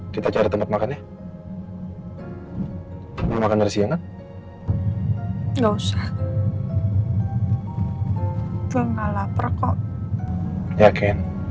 perut gue makanya bunyi lagi di depan riki